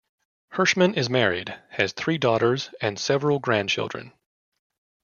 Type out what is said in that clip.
Hirshman is married, has three daughters and several grandchildren.